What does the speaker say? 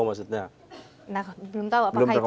maksudnya nah belum tahu apa yang berarti